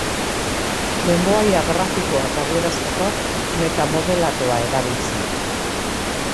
Lengoaia grafikoak adierazteko meta-modelatua erabiltzen da.